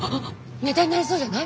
ネタになりそうじゃない？